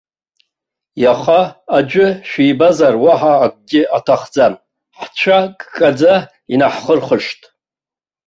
Иаха аӡәы шәибазар, уаҳа акгьы аҭахӡам, ҳцәа ккаӡа инаҳхырхышт.